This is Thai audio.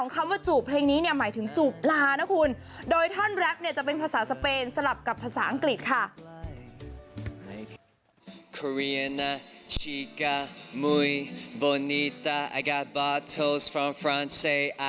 การแบบภาษาสเปนสลับกับภาษาอังกฤษ